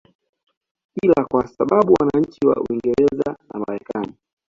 ila kwa sababu wananchi wa Uingereza na Marekani